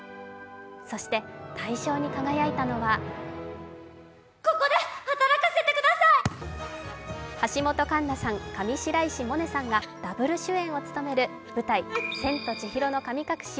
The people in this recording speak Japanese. そして、大賞に輝いたのは橋本環奈さん、上白石萌音さんがダブル主演を務める舞台、「千と千尋の神隠し」